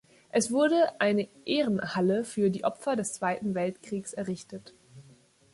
Es wurde eine Ehrenhalle für die Opfer des Zweiten Weltkriegs errichtet.